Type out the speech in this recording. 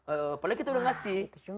apalagi kita udah ngasih